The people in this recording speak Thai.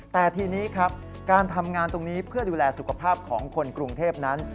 แต่ทีนี้ครับการทำงานตรงนี้เพื่อดูแลสุขภาพของคนกรุงเทพนั้น